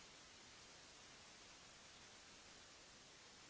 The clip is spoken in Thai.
เมื่อเวลาอันดับสุดท้ายมันกลายเป็นภูมิที่สุดท้าย